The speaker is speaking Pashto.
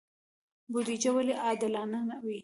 بودجه ولې عادلانه وي؟